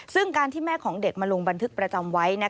ซึ่งการที่แม่ของเด็กมาลงบันทึกประจำไว้